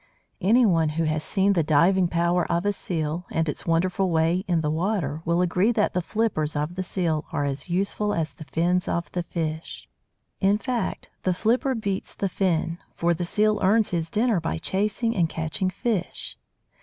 Anyone who has seen the diving power of a Seal, and its wonderful way in the water, will agree that the "flippers" of the Seal are as useful as the fins of the fish. In fact, the flipper beats the fin, for the Seal earns his dinner by chasing and catching fish.